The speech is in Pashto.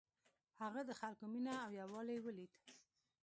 هغه د خلکو مینه او یووالی ولید.